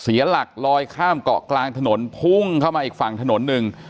เสียหลักลอยข้ามเกาะกลางถนนพุ่งเข้ามาอีกฝั่งถนนหนึ่ง